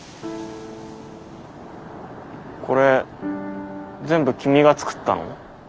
これ全部君が作ったの？